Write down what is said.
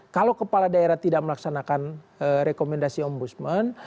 kalau kepala daerah tidak melaksanakan rekomendasi ombudsman